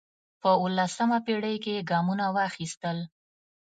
په اوولسمه پېړۍ کې یې ګامونه واخیستل